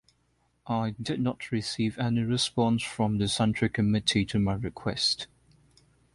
I did not receive any response from the Central Committee to my request.